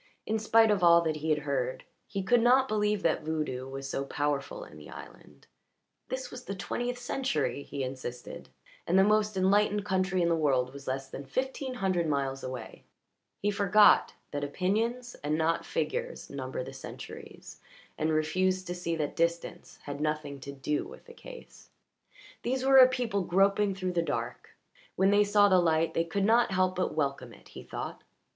In spite of all that he had heard he could not believe that voodoo was so powerful in the island; this was the twentieth century, he insisted, and the most enlightened country in the world was less than fifteen hundred miles away; he forgot that opinions and not figures number the centuries, and refused to see that distance had nothing to do with the case. These were a people groping through the dark; when they saw the light they could not help but welcome it, he thought.